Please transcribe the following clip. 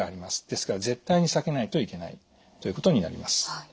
ですから絶対に避けないといけないということになります。